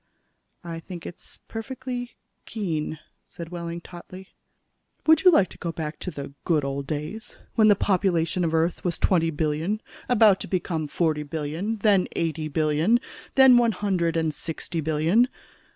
"I think it's perfectly keen," said Wehling tautly. "Would you like to go back to the good old days, when the population of the Earth was twenty billion about to become forty billion, then eighty billion, then one hundred and sixty billion?